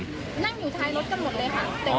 นั่งอยู่ท้ายรถกันหมดเลยค่ะ